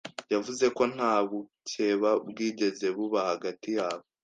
yavuze ko nta bukeba bwigeze buba hagati yabo